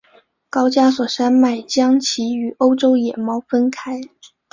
高加索山脉将其与欧洲野猫分开。